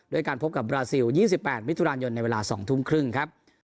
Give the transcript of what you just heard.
ด้วยการพบกับบราซิลยี่สิบแปดมิถุราณยนต์ในเวลาสองทุ่มครึ่งครับ